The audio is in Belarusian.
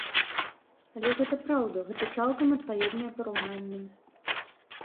Але гэта праўда, гэта цалкам адпаведнае параўнанне.